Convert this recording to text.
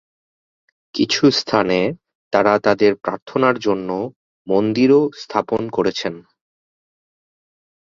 কিছু স্থানে তারা তাদের প্রার্থনার জন্য মন্দিরও স্থাপন করেছেন।